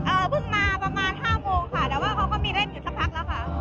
เพิ่งมาประมาณห้าโมงค่ะแต่ว่าเขาก็มีเล่นอยู่สักพักแล้วค่ะ